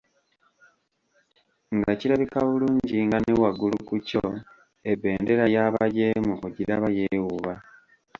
Nga kirabika bulungi nga ne waggulu ku kyo ebendera y'abajeemu ogiraba yeewuuba.